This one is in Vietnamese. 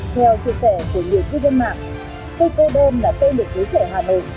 theo chia sẻ của nhiều khu dân mạng cây cây đơn là tên được giới trẻ hà nội